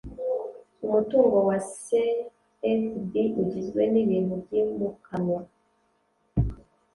umutungo wa sfb ugizwe n’ibintu byimukanwa